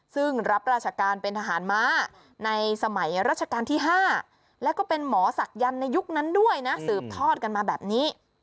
ซึ่งรับราชการเป็นทหารม้าในสมัยรัชกาลที่๕แล้วก็เป็นหมอศักยันต์ในยุคนั้นด้วยนะสืบทอดกันมาแบบนี้